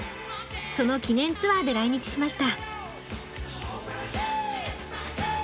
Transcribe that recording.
その記念ツアーで来日しました。